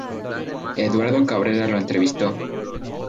Eduardo Cabrera lo entrevistó.